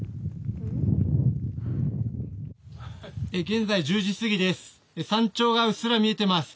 現在、１０時過ぎです。